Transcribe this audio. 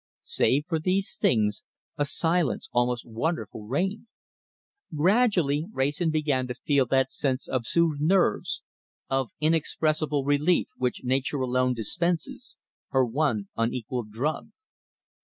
Save for these things, a silence almost wonderful reigned. Gradually Wrayson began to feel that sense of soothed nerves, of inexpressible relief, which Nature alone dispenses her one unequalled drug!